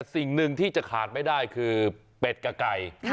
สิ่งหนึ่งที่จะขาดไม่ได้คือเป็ดกับไก่